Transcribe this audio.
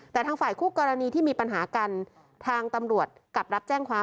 แต่ทางฝ่ายคู่กรณีที่มีปัญหากันทางตำรวจกลับรับแจ้งความ